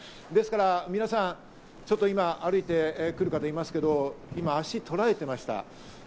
ですから皆さんちょっと今、歩いてくる方がいますけど、足を取られていました。